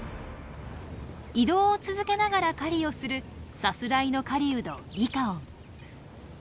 移動を続けながら狩りをするさすらいの狩人リカオン。